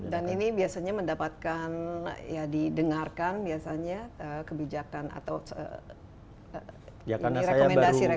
dan ini biasanya mendapatkan ya didengarkan biasanya kebijakan atau rekomendasi rekomendasi